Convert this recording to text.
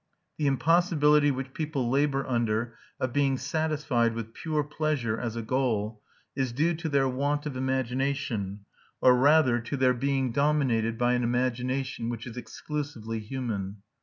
The impossibility which people labour under of being satisfied with pure pleasure as a goal is due to their want of imagination, or rather to their being dominated by an imagination which is exclusively human.